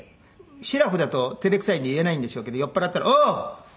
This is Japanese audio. シラフだと照れくさいんで言えないんでしょうけど酔っ払ったら「おう！鶴太郎かお前。